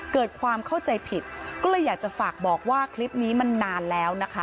เกิดความเข้าใจผิดก็เลยอยากจะฝากบอกว่าคลิปนี้มันนานแล้วนะคะ